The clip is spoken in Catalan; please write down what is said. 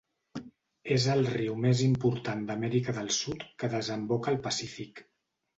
És el riu més important d'Amèrica del Sud que desemboca al Pacífic.